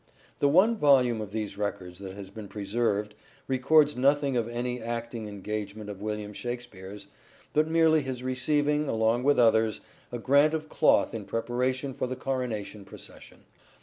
The one volume of these records that has been preserved records nothing of any acting engagement of William Shakspere's, but merely his receiving, along with others, a grant of cloth in preparation for the coronation procession.